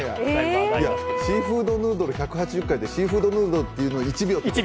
シーフードヌードル１８０回ってシーフードヌードルで１秒。